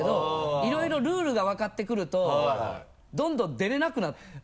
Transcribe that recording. いろいろルールが分かってくるとどんどん出れなくなって。